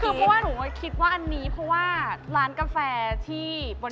คือเพราะว่าหนูคิดว่าอันนี้เพราะว่าร้านกาแฟที่บน